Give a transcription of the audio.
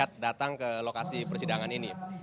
saat datang ke lokasi persidangan ini